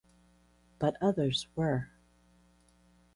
But others were.